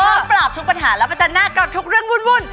เพื่อปรอบทุกปัญหาและประจำหน้ากรอบทุกเรื่องวุ่น